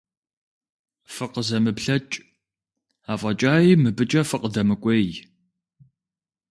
ФыкъызэмыплъэкӀ, афӀэкӀаи мыбыкӀэ фыкъыдэмыкӀуей.